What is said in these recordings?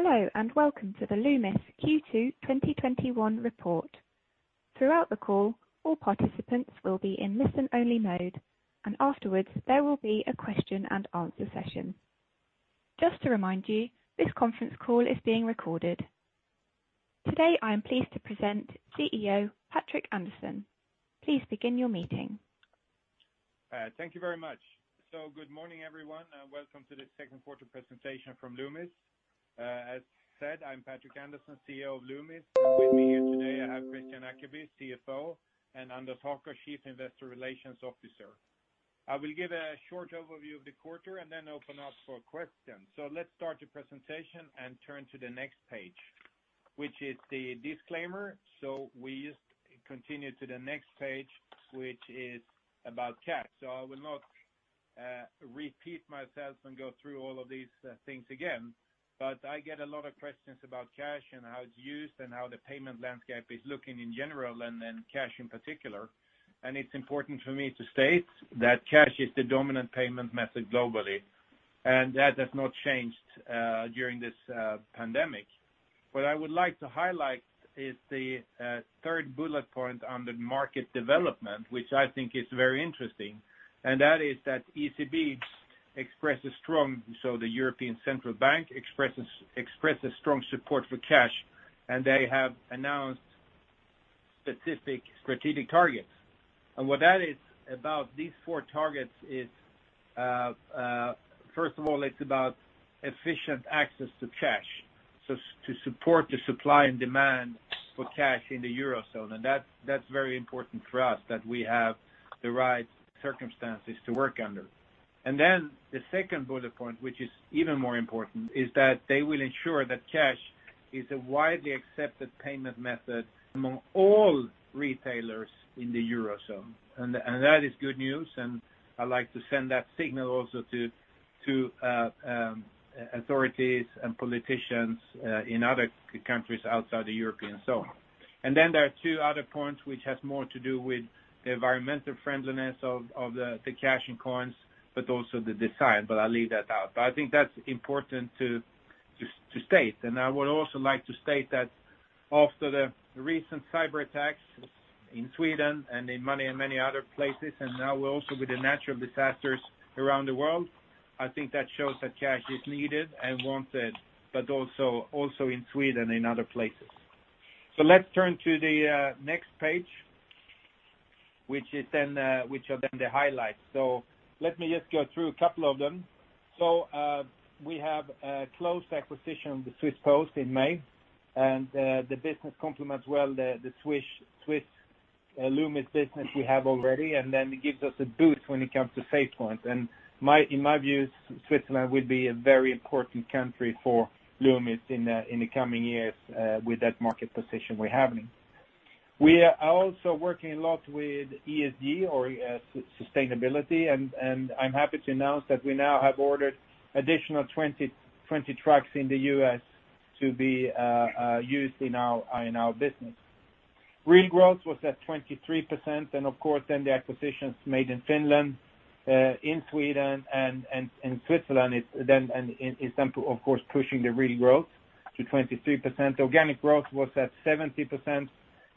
Hello, and welcome to the Loomis Q2 2021 report. Throughout the call, all participants will be in listen-only mode. Afterwards, there will be a question-and-answer session. Just to remind you, this conference call is being recorded. Today, I am pleased to present CEO Patrik Andersson. Thank you very much. Good morning, everyone, and welcome to the Q2 presentation from Loomis. As said, I'm Patrik Andersson, CEO of Loomis, and with me here today I have Kristian Ackeby, CFO, and Anders Haker, Chief Investor Relations Officer. I will give a short overview of the quarter and then open up for questions. Let's start the presentation and turn to the next page, which is the disclaimer. We continue to the next page, which is about cash. I will not repeat myself and go through all of these things again, but I get a lot of questions about cash and how it's used and how the payment landscape is looking in general, and then cash in particular. It's important for me to state that cash is the dominant payment method globally, and that has not changed during this pandemic. What I would like to highlight is the third bullet point on the market development, which I think is very interesting, and that is that ECB expresses strong, so the European Central Bank, expresses strong support for cash, and they have announced specific strategic targets. What that is about these four targets is, first of all, it's about efficient access to cash, so to support the supply and demand for cash in the Eurozone. That's very important for us, that we have the right circumstances to work under. The second bullet point, which is even more important, is that they will ensure that cash is a widely accepted payment method among all retailers in the Eurozone. That is good news, and I like to send that signal also to authorities and politicians in other countries outside the Eurozone. There are two other points which has more to do with the environmental friendliness of the cash and coins, but also the design, but I'll leave that out. I think that's important to state. I would also like to state that after the recent cyber attacks in Sweden and in many other places, and now also with the natural disasters around the world, I think that shows that cash is needed and wanted, but also in Sweden and other places. Let's turn to the next page, which are then the highlights. Let me just go through a couple of them. We have a close acquisition with Swiss Post in May, and the business complements well the Swiss Loomis business we have already. It gives us a boost when it comes to SafePoint. In my view, Switzerland will be a very important country for Loomis in the coming years with that market position we have now. We are also working a lot with ESG or sustainability, and I'm happy to announce that we now have ordered additional 20 trucks in the U.S. to be used in our business. Real growth was at 23%. Of course, then the acquisitions made in Finland, in Sweden and in Switzerland is then, of course, pushing the real growth to 23%. Organic growth was at 70%.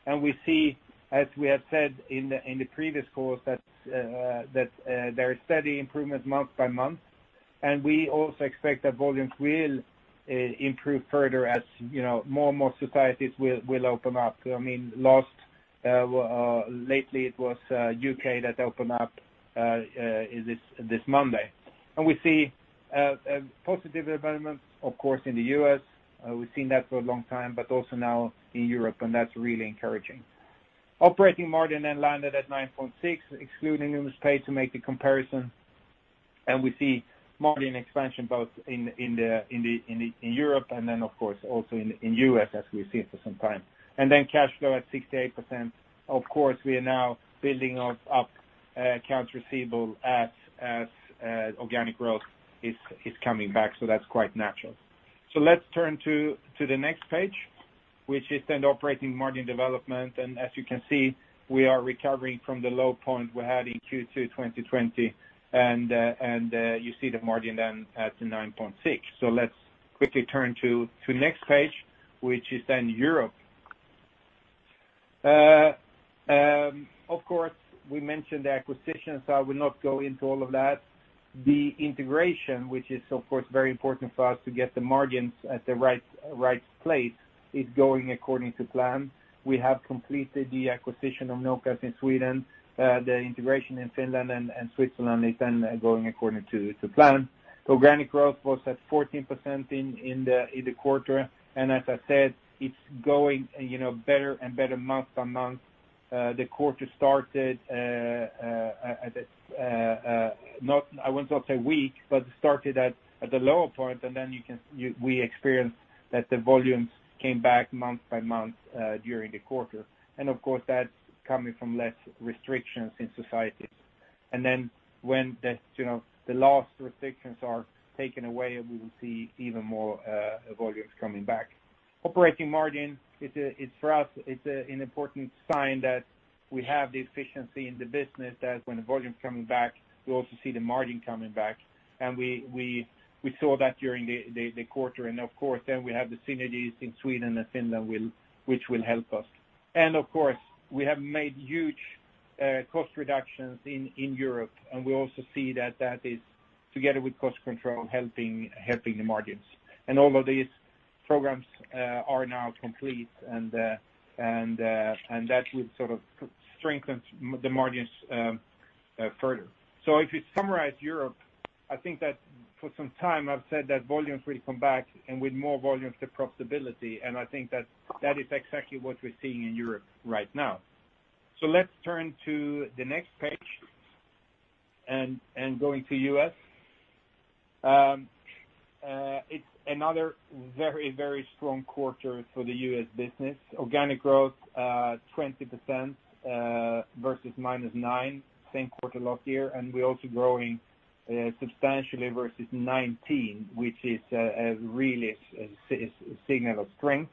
We see, as we have said in the previous calls, that there is steady improvement month by month. We also expect that volumes will improve further as more and more societies will open up. Lately it was U.K. that opened up this Monday. We see positive developments, of course, in the U.S. We've seen that for a long time, but also now in Europe, and that's really encouraging. Operating margin then landed at 9.6%, excluding Loomis Pay to make the comparison. We see margin expansion both in Europe and, of course, also in U.S. as we have seen for some time. Cash flow at 68%. Of course, we are now building up accounts receivable as organic growth is coming back, so that's quite natural. Let's turn to the next page, which is then operating margin development. As you can see, we are recovering from the low point we had in Q2 2020. You see the margin then at 9.6%. Let's quickly turn to next page, which is then Europe. Of course, we mentioned the acquisition, so I will not go into all of that. The integration, which is of course very important for us to get the margins at the right place, is going according to plan. We have completed the acquisition of Nokas in Sweden. The integration in Finland and Switzerland is going according to plan. Organic growth was at 14% in the quarter, and as I said, it's going better and better month-on-month. The quarter started at a I would not say weak, but it started at the lower point, and we experienced that the volumes came back month-by-month during the quarter. Of course, that's coming from less restrictions in societies. Then when the last restrictions are taken away, we will see even more volumes coming back. Operating margin, for us, it's an important sign that we have the efficiency in the business, that when the volume is coming back, we also see the margin coming back. We saw that during the quarter. Of course, then we have the synergies in Sweden and Finland which will help us. Of course, we have made huge cost reductions in Europe, and we also see that is together with cost control, helping the margins. All of these programs are now complete, and that will strengthen the margins further. If you summarize Europe, I think that for some time I've said that volumes will come back, and with more volumes, the profitability, and I think that is exactly what we're seeing in Europe right now. Let's turn to the next page and going to U.S. It's another very strong quarter for the U.S. business. Organic growth, 20% versus -9% same quarter last year, and we're also growing substantially versus 2019, which is really a signal of strength.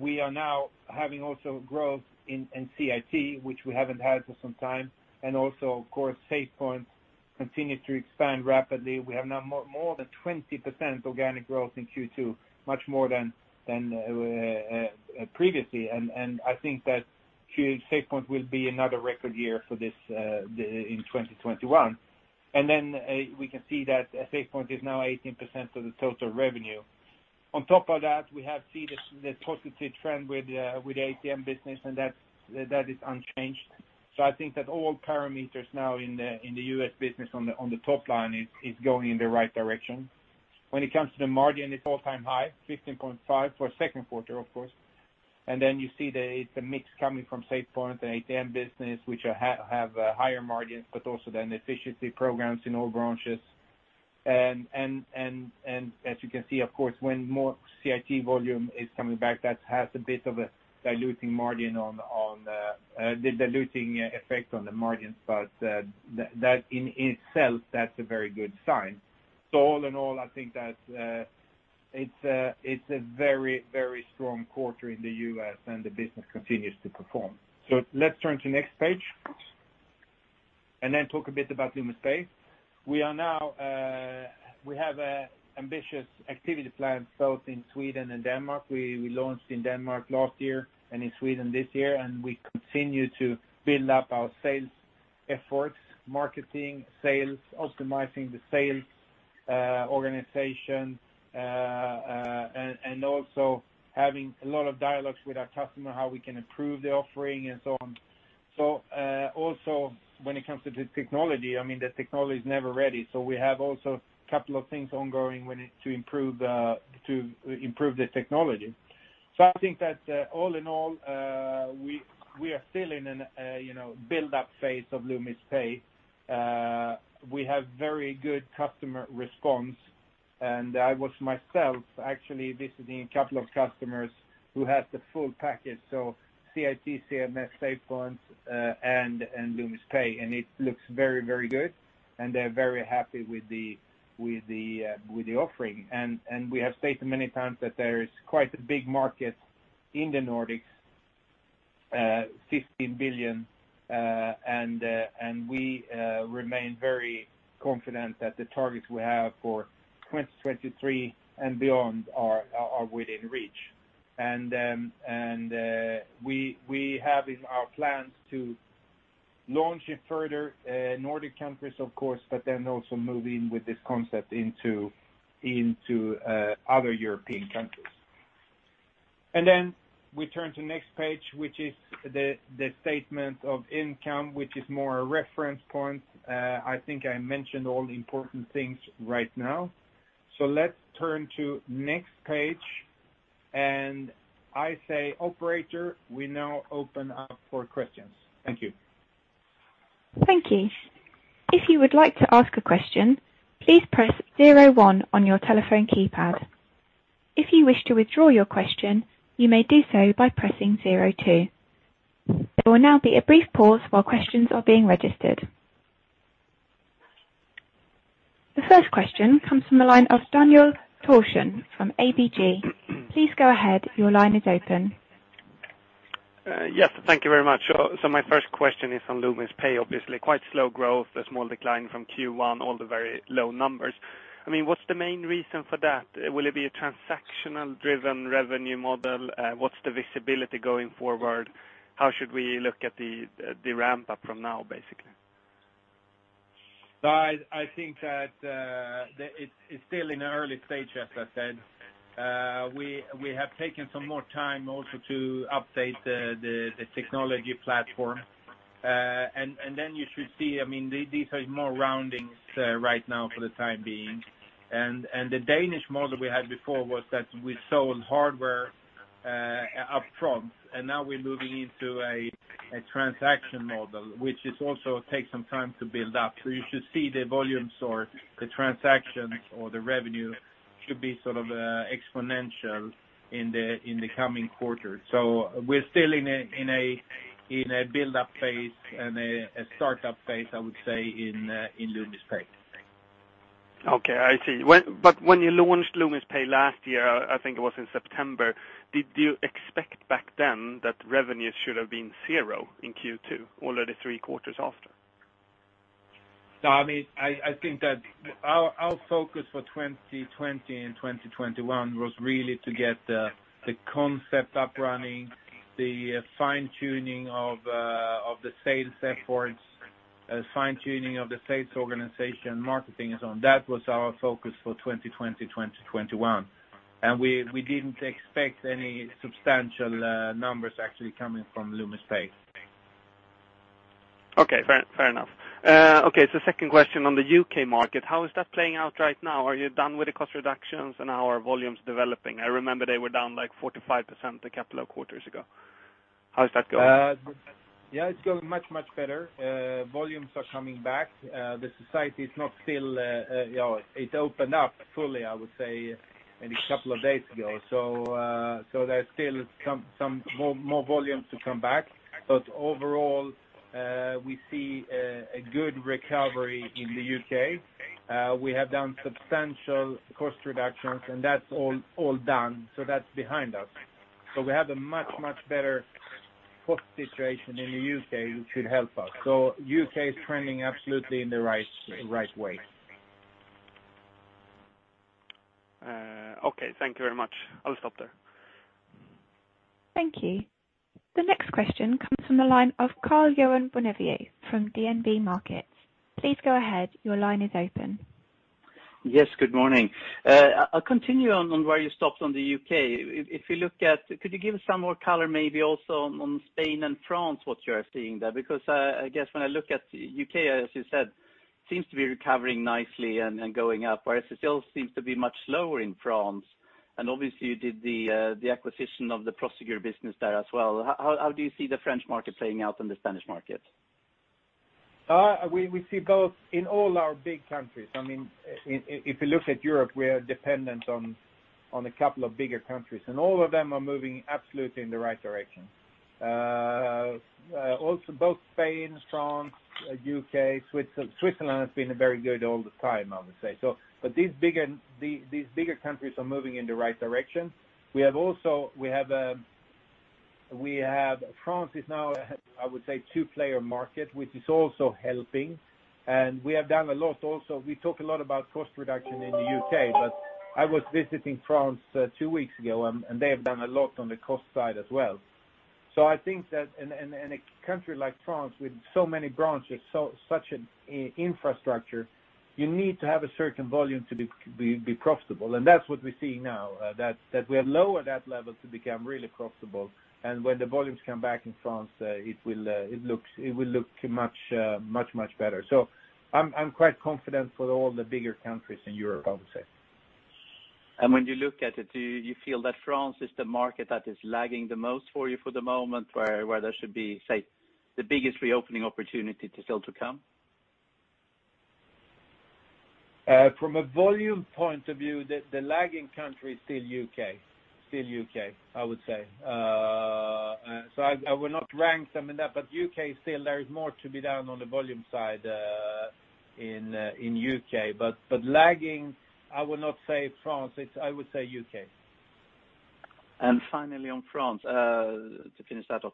We are now having also growth in CIT, which we haven't had for some time, and also of course, SafePoint continues to expand rapidly. We have now more than 20% organic growth in Q2, much more than previously. I think that SafePoint will be another record year in 2021. Then we can see that SafePoint is now 18% of the total revenue. On top of that, we have seen the positive trend with the ATM business, and that is unchanged. I think that all parameters now in the U.S. business on the top line is going in the right direction. When it comes to the margin, it's all-time high, 15.5% for Q2, of course. Then you see the mix coming from SafePoint and ATM business, which have higher margins, but also then efficiency programs in all branches. As you can see, of course, when more CIT volume is coming back, that has a bit of a diluting effect on the margins. That in itself, that's a very good sign. All in all, I think that it's a very strong quarter in the U.S. and the business continues to perform. Let's turn to next page and then talk a bit about Loomis Pay. We have ambitious activity plans both in Sweden and Denmark. We launched in Denmark last year and in Sweden this year. We continue to build up our sales efforts, marketing, sales, optimizing the sales organization, and also having a lot of dialogues with our customer, how we can improve the offering and so on. Also when it comes to the technology, the technology is never ready. We have also a couple of things ongoing to improve the technology. I think that all in all, we are still in a build-up phase of Loomis Pay. We have very good customer response, and I was myself actually visiting a couple of customers who have the full package, so CIT, CMS, SafePoint, and Loomis Pay, and it looks very good, and they're very happy with the offering. We have stated many times that there is quite a big market in the Nordics, 15 billion, and we remain very confident that the targets we have for 2023 and beyond are within reach. We have in our plans to launch in further Nordic countries, of course, but then also move in with this concept into other European countries. We turn to next page, which is the statement of income, which is more a reference point. I think I mentioned all the important things right now. Let's turn to next page, and I say, operator, we now open up for questions. Thank you. Thank you. If you would like to ask a question, please press zero one on your telephone keypad. If you wish to withdraw your question, you may do so by pressing zero two. There will now be a brief pause while questions are being registered. The first question comes from the line of Daniel Thorsson from ABG. Please go ahead. Your line is open. Yes. Thank you very much. My first question is on Loomis Pay, obviously quite slow growth, a small decline from Q1, all the very low numbers. What's the main reason for that? Will it be a transactional driven revenue model? What's the visibility going forward? How should we look at the ramp-up from now, basically? I think that it's still in early stage, as I said. We have taken some more time also to update the technology platform. Then you should see, these are more roundings right now for the time being. The Danish model we had before was that we sold hardware upfront, and now we're moving into a transaction model, which also takes some time to build up. You should see the volumes or the transactions or the revenue should be exponential in the coming quarters. We're still in a build-up phase and a start-up phase, I would say, in Loomis Pay. Okay, I see. When you launched Loomis Pay last year, I think it was in September, did you expect back then that revenue should have been zero in Q2, or the three quarters after? No, I think that our focus for 2020 and 2021 was really to get the concept up and running, the fine-tuning of the sales efforts, fine-tuning of the sales organization, marketing, and so on. That was our focus for 2020, 2021. We didn't expect any substantial numbers actually coming from Loomis Pay. Okay, fair enough. Second question on the U.K. market, how is that playing out right now? Are you done with the cost reductions and how are volumes developing? I remember they were down like 45% a couple of quarters ago. How is that going? Yeah, it's going much better. Volumes are coming back. It opened up fully, I would say, maybe a couple of days ago. There's still some more volumes to come back. Overall, we see a good recovery in the U.K. We have done substantial cost reductions, and that's all done. That's behind us. We have a much better cost situation in the U.K., which should help us. U.K. is trending absolutely in the right way. Okay. Thank you very much. I'll stop there. Thank you. The next question comes from the line of Karl-Johan Bonnevier from DNB Markets. Please go ahead. Your line is open. Yes, good morning. I'll continue on where you stopped on the U.K. Could you give us some more color maybe also on Spain and France, what you are seeing there? Because I guess when I look at U.K., as you said, seems to be recovering nicely and going up, whereas it still seems to be much slower in France, and obviously you did the acquisition of the Prosegur business there as well. How do you see the French market playing out and the Spanish market? We see both in all our big countries. If you look at Europe, we are dependent on a couple of bigger countries, and all of them are moving absolutely in the right direction. Both Spain, France, U.K., Switzerland. Switzerland has been very good all the time, I would say. These bigger countries are moving in the right direction. France is now, I would say, a two-player market, which is also helping, and we have done a lot also. We talk a lot about cost reduction in the U.K., but I was visiting France two weeks ago, and they have done a lot on the cost side as well. I think that in a country like France with so many branches, such an infrastructure, you need to have a certain volume to be profitable. That's what we're seeing now, that we are lower that level to become really profitable. When the volumes come back in France, it will look much better. I'm quite confident for all the bigger countries in Europe, I would say. When you look at it, do you feel that France is the market that is lagging the most for you for the moment, where there should be, say, the biggest reopening opportunity to still to come? From a volume point of view, the lagging country is still U.K., I would say. I will not rank them in that, but U.K. still, there is more to be done on the volume side in U.K. Lagging, I would not say France. I would say U.K. Finally on France, to finish that off,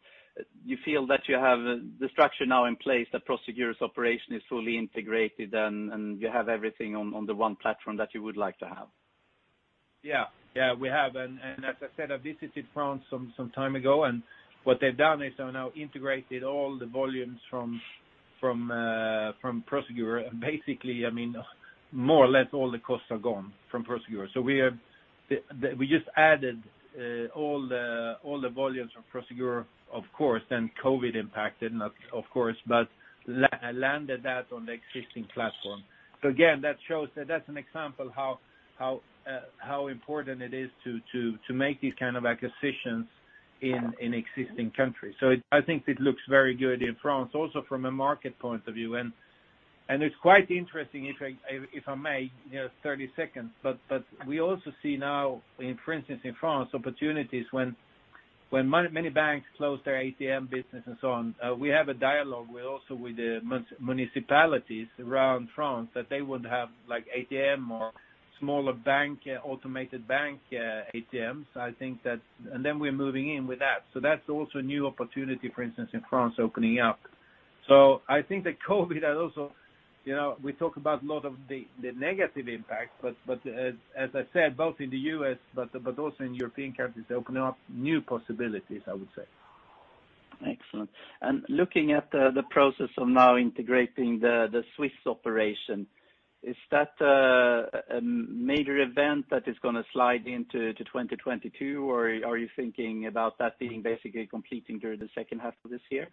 you feel that you have the structure now in place, that Prosegur's operation is fully integrated, and you have everything on the one platform that you would like to have? Yeah. We have, as I said, I visited France some time ago, what they've done is they've now integrated all the volumes from Prosegur. Basically, more or less all the costs are gone from Prosegur. We just added all the volumes from Prosegur, of course, then COVID impacted of course, but landed that on the existing platform. Again, that's an example how important it is to make these kind of acquisitions in existing countries. I think it looks very good in France, also from a market point of view. It's quite interesting, if I may, 30 seconds, we also see now, for instance, in France, opportunities when many banks close their ATM business and so on. We have a dialogue also with the municipalities around France that they would have ATM or smaller automated bank ATMs. We're moving in with that. That's also a new opportunity, for instance, in France opening up. I think that COVID has also, we talk about a lot of the negative impact, but as I said, both in the U.S. but also in European countries, they're opening up new possibilities, I would say. Excellent. Looking at the process of now integrating the Swiss operation, is that a major event that is going to slide into 2022, or are you thinking about that being basically completing during the H2 of this year?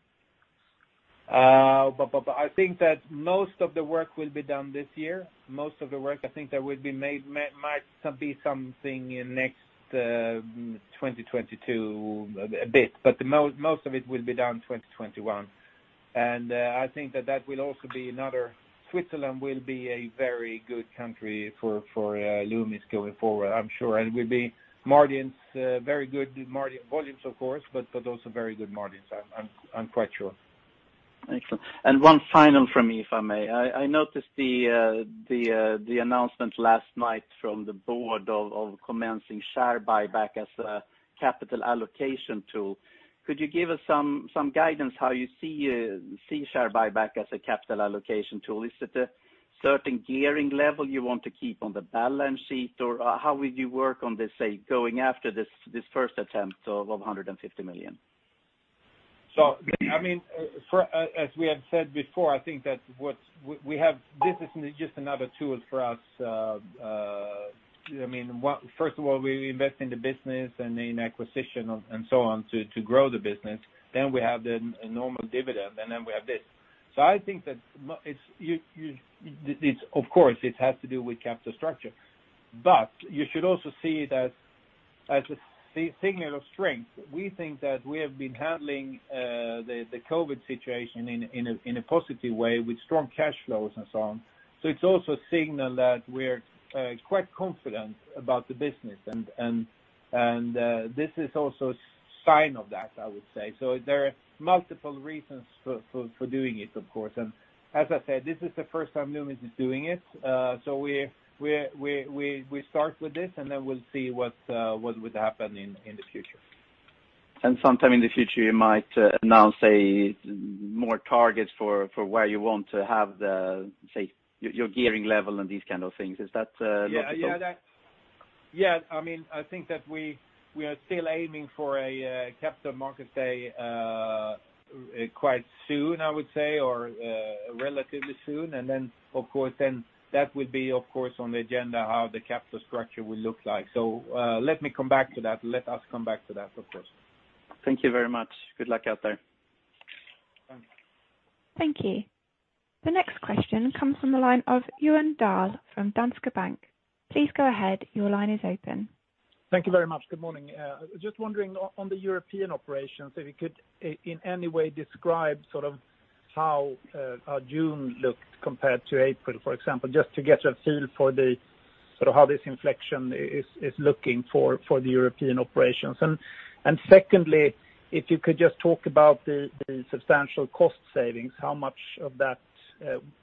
I think that most of the work will be done this year. Most of the work I think there might be something in next 2022 a bit. Most of it will be done 2021. I think that Switzerland will be a very good country for Loomis going forward, I'm sure. It will be margins, very good margin volumes, of course, but also very good margins, I'm quite sure. Excellent. One final from me, if I may. I noticed the announcement last night from the board of commencing share buyback as a capital allocation tool. Could you give us some guidance how you see share buyback as a capital allocation tool? Is it a certain gearing level you want to keep on the balance sheet, or how would you work on this, say, going after this first attempt of 150 million? As we have said before, I think that this is just another tool for us. First of all, we invest in the business and in acquisition and so on to grow the business. We have the normal dividend, and then we have this. I think that, of course, it has to do with capital structure. You should also see it as a signal of strength. We think that we have been handling the COVID situation in a positive way with strong cash flows and so on. It's also a signal that we're quite confident about the business and this is also a sign of that, I would say. There are multiple reasons for doing it, of course. As I said, this is the first time Loomis is doing it. We start with this, and then we'll see what would happen in the future. Sometime in the future, you might announce a more target for where you want to have your gearing level and these kind of things. Is that logical? Yeah. I think that we are still aiming for a capital market day quite soon, I would say, or relatively soon. That would be, of course, on the agenda how the capital structure will look like. Let me come back to that. Let us come back to that, of course. Thank you very much. Good luck out there. Thanks. Thank you. The next question comes from the line of Johan Dahl from Danske Bank. Please go ahead. Your line is open. Thank you very much. Good morning. Just wondering on the European operations, if you could in any way describe how June looked compared to April, for example, just to get a feel for how this inflection is looking for the European operations. Secondly, if you could just talk about the substantial cost savings, how much of that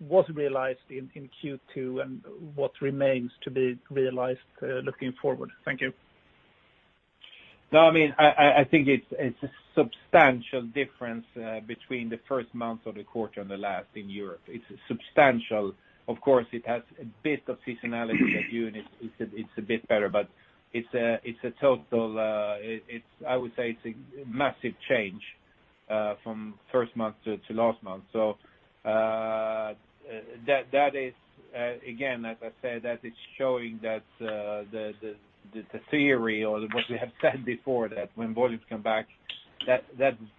was realized in Q2, and what remains to be realized looking forward. Thank you. No. I mean. I think it's a substantial difference between the first month of the quarter and the last in Europe. It's substantial. Of course, it has a bit of seasonality at June. It's a bit better, I would say it's a massive change from first month to last month. As I said, that is showing that the theory or what we have said before, that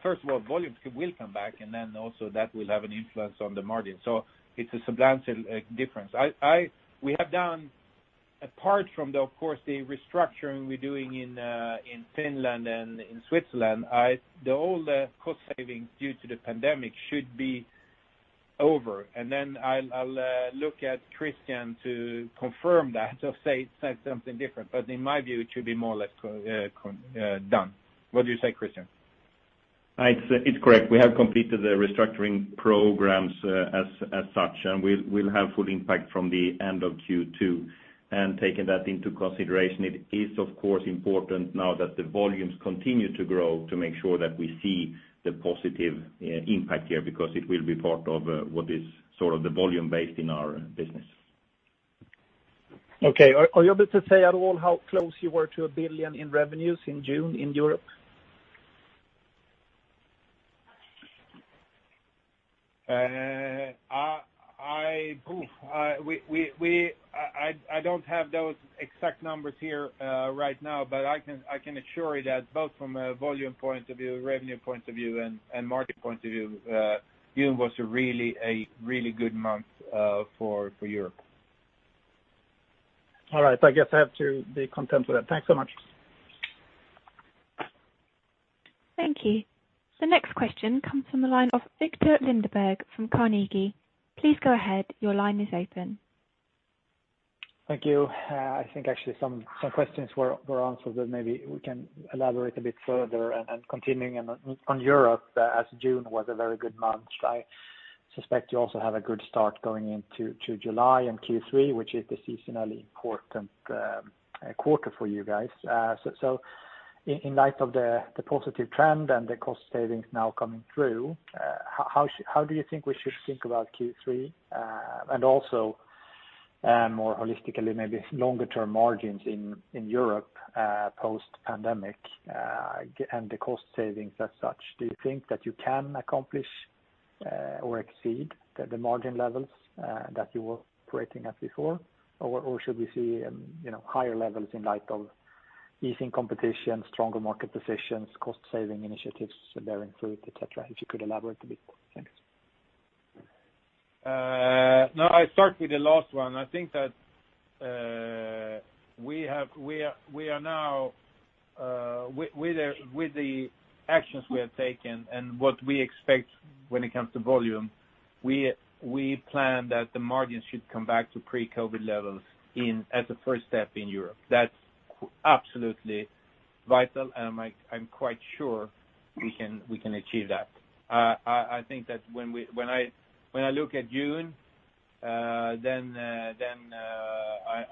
first of all, volumes will come back, and then also that will have an influence on the margin. It's a substantial difference. Apart from the restructuring we're doing in Finland and in Switzerland, the cost savings due to the pandemic should be over. I'll look at Kristian Ackeby to confirm that or say something different, but in my view, it should be more or less done. What do you say, Kristian? It's correct. We have completed the restructuring programs as such, and we'll have full impact from the end of Q2. Taking that into consideration, it is of course important now that the volumes continue to grow to make sure that we see the positive impact here, because it will be part of what is the volume based in our business. Okay. Are you able to say at all how close you were to 1 billion in revenues in June in Europe? I don't have those exact numbers here right now, but I can assure you that both from a volume point of view, revenue point of view, and market point of view, June was a really good month for Europe. All right. I guess I have to be content with that. Thanks so much. Thank you. The next question comes from the line of Viktor Lindeberg from Carnegie. Please go ahead. Your line is open. Thank you. I think actually some questions were answered, but maybe we can elaborate a bit further and continuing on Europe as June was a very good month. I suspect you also have a good start going into July and Q3, which is the seasonally important quarter for you guys. In light of the positive trend and the cost savings now coming through, how do you think we should think about Q3? Also more holistically, maybe longer term margins in Europe post pandemic and the cost savings as such. Do you think that you can accomplish or exceed the margin levels that you were operating at before? Or should we see higher levels in light of easing competition, stronger market positions, cost saving initiatives bearing fruit, et cetera? If you could elaborate a bit. Thanks. I start with the last one. I think that with the actions we have taken and what we expect when it comes to volume, we plan that the margins should come back to pre-COVID levels as a first step in Europe. That's absolutely vital, and I'm quite sure we can achieve that. I think that when I look at June, then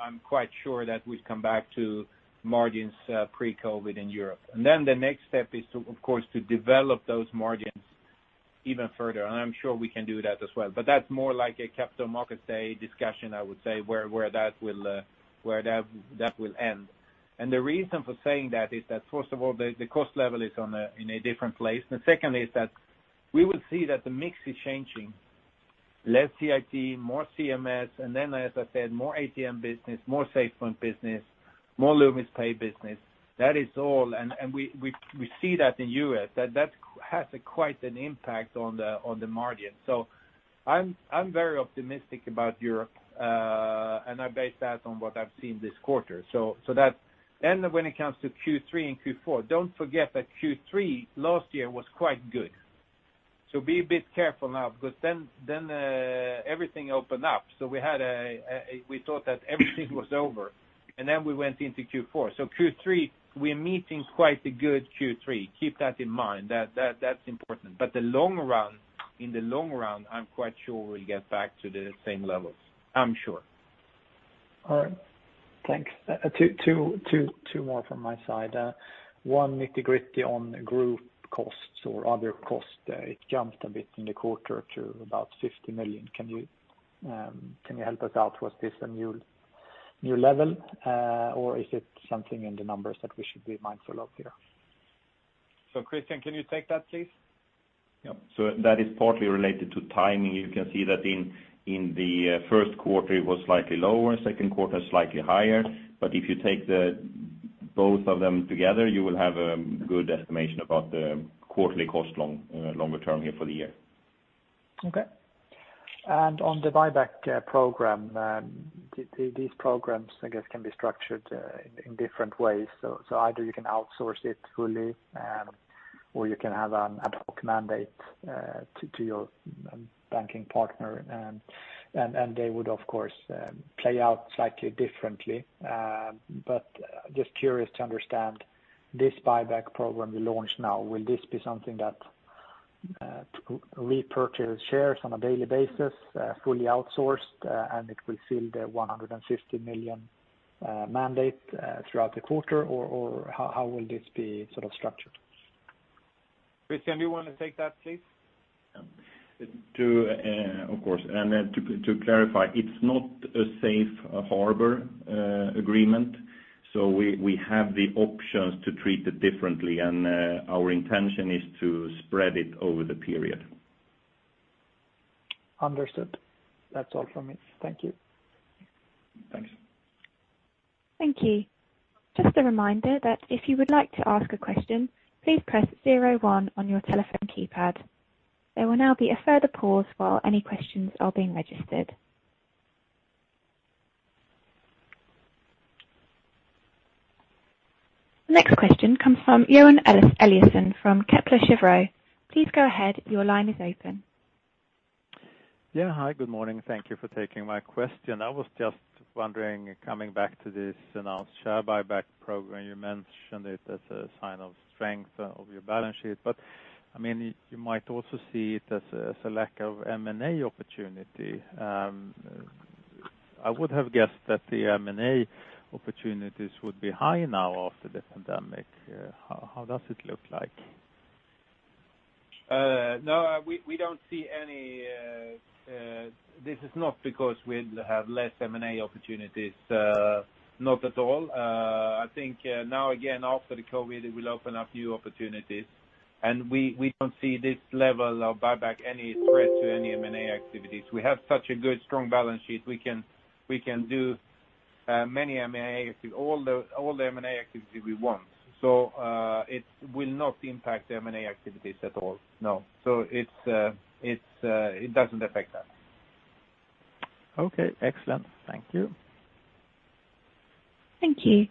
I'm quite sure that we've come back to margins pre-COVID in Europe. The next step is, of course, to develop those margins even further. I'm sure we can do that as well. That's more like a capital markets day discussion, I would say, where that will end. The reason for saying that is that first of all, the cost level is in a different place. Second is that we will see that the mix is changing. Less CIT, more CMS, then as I said, more ATM business, more SafePoint business, more Loomis Pay business. That is all, we see that in U.S., that has quite an impact on the margin. I'm very optimistic about Europe. I base that on what I've seen this quarter. When it comes to Q3 and Q4, don't forget that Q3 last year was quite good. Be a bit careful now, because then everything opened up. We thought that everything was over. Then we went into Q4. Q3, we're meeting quite a good Q3. Keep that in mind. That's important. In the long run, I'm quite sure we'll get back to the same levels. I'm sure. All right. Thanks. Two more from my side. One nitty-gritty on group costs or other costs. It jumped a bit in the quarter to about 50 million. Can you help us out? Was this a new level? Is it something in the numbers that we should be mindful of here? Kristian, can you take that, please? Yep. That is partly related to timing. You can see that in the Q1 it was slightly lower, Q1 slightly higher. If you take both of them together, you will have a good estimation about the quarterly cost longer term here for the year. Okay. On the buyback program, these programs, I guess, can be structured in different ways. Either you can outsource it fully, or you can have an ad hoc mandate to your banking partner, they would, of course, play out slightly differently. Just curious to understand this buyback program you launched now. Will this be something that repurchases shares on a daily basis, fully outsourced, it will fill the 150 million mandate throughout the quarter? How will this be structured? Kristian, do you want to take that, please? Of course. To clarify, it's not a safe harbor agreement. We have the options to treat it differently, and our intention is to spread it over the period. Understood. That's all from me. Thank you. Thanks. Thank you. Just a reminder that if you would like to ask a question, please press zero one on your telephone keypad. There will now be a further pause while any questions are being registered. The next question comes from Johan Eliason from Kepler Cheuvreux. Please go ahead. Your line is open. Yeah. Hi, good morning. Thank you for taking my question. I was just wondering, coming back to this announced share buyback program, you mentioned it as a sign of strength of your balance sheet. You might also see it as a lack of M&A opportunity. I would have guessed that the M&A opportunities would be high now after the pandemic. How does it look like? No. This is not because we have less M&A opportunities. Not at all. I think now again, after the COVID, it will open up new opportunities. We don't see this level of buyback any threat to any M&A activities. We have such a good, strong balance sheet. We can do all the M&A activity we want. It will not impact M&A activities at all. No. It doesn't affect that. Okay. Excellent. Thank you. Thank you.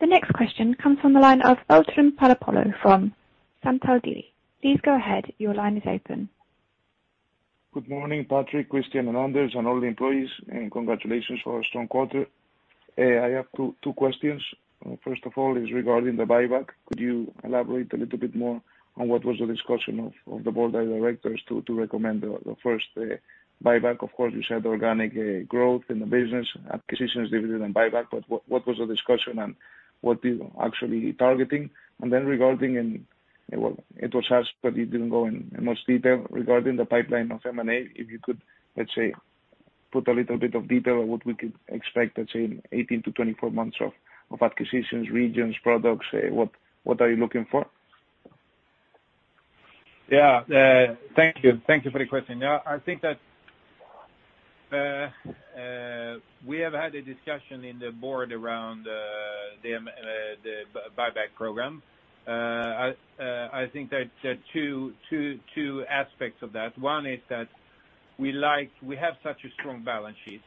The next question comes from the line of [Ultron Palapolo] from [Santal Dili]. Please go ahead. Your line is open. Good morning, Patrik, Kristian, and Anders, and all the employees. Congratulations for a strong quarter. I have two questions. First of all is regarding the buyback. Could you elaborate a little bit more on what was the discussion of the board of directors to recommend the first buyback? Of course, you said organic growth in the business, acquisitions, dividend, and buyback. What was the discussion and what are you actually targeting? Then regarding, well, it was asked, but it didn't go in much detail regarding the pipeline of M&A. If you could, let's say, put a little bit of detail on what we could expect, let's say in 18-24 months of acquisitions, regions, products, what are you looking for? Yeah. Thank you. Thank you for the question. I think that we have had a discussion in the board around the buyback program. I think there are two aspects of that. One is that we have such a strong balance sheet.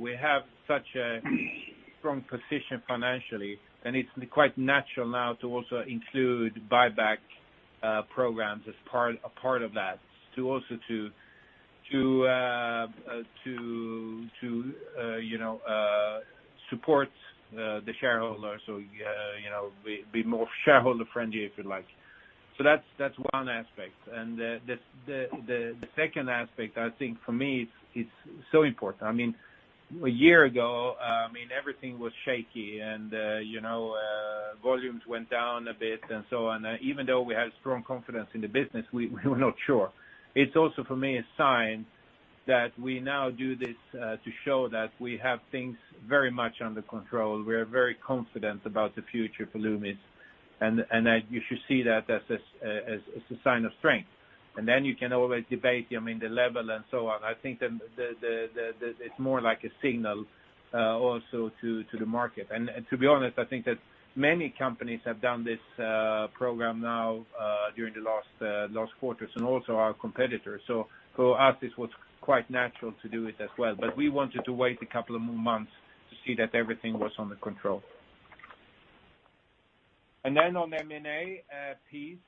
We have such a strong position financially, and it's quite natural now to also include buyback programs as a part of that. To support the shareholders, so be more shareholder-friendly, if you like. That's one aspect. The second aspect, I think for me, it's so important. A year ago, everything was shaky, and volumes went down a bit and so on. Even though we had strong confidence in the business, we were not sure. It's also, for me, a sign that we now do this to show that we have things very much under control. We are very confident about the future for Loomis, that you should see that as a sign of strength. You can always debate, the level and so on. I think that it's more like a signal also to the market. To be honest, I think that many companies have done this program now, during the last quarters, also our competitors. For us, it was quite natural to do it as well. We wanted to wait a couple of more months to see that everything was under control. On the M&A piece,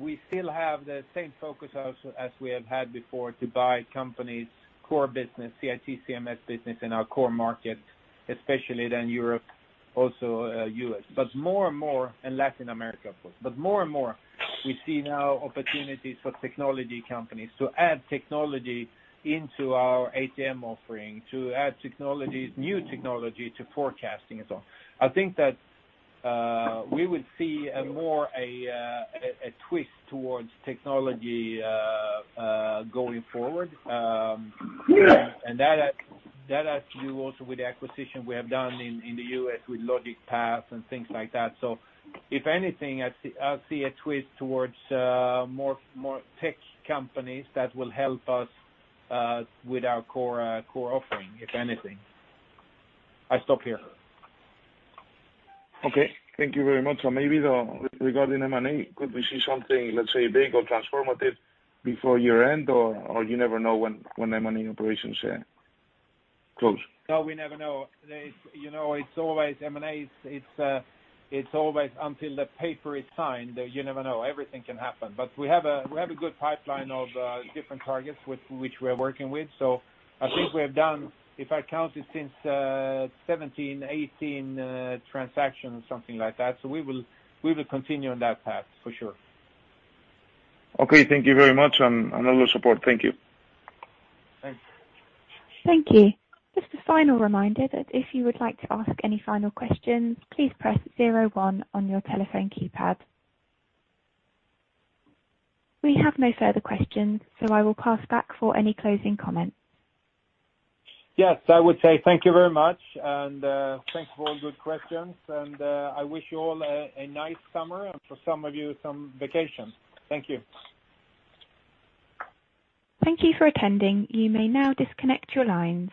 we still have the same focus as we have had before to buy companies, core business, CIT, CMS business in our core market, especially then Europe, also U.S., and Latin America, of course. More and more, we see now opportunities for technology companies to add technology into our ATM offering, to add new technology to forecasting and so on. I think that we will see more a twist towards technology going forward. That has to do also with the acquisition we have done in the U.S. with Logicpath and things like that. If anything, I see a twist towards more tech companies that will help us with our core offering, if anything. I stop here. Okay. Thank you very much. Maybe regarding M&A, could we see something, let's say, big or transformative before year-end, or you never know when M&A operations close? No, we never know. M&A, it's always until the paper is signed, you never know. Everything can happen. We have a good pipeline of different targets which we are working with. I think we have done, if I count it, since 17, 18 transactions, something like that. We will continue on that path for sure. Okay. Thank you very much, I will support. Thank you. Thanks. Thank you. Just a final reminder that if you would like to ask any final questions, please press zero one on your telephone keypad. We have no further questions. I will pass back for any closing comments. Yes, I would say thank you very much, and thanks for all your good questions. I wish you all a nice summer, and for some of you, some vacation. Thank you. Thank you for attending. You may now disconnect your lines.